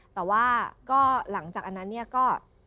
แต่ว่าก็หลังจากอันนั้นเนี่ยก็